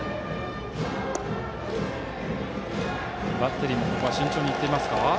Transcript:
バッテリーも慎重に行っていますか。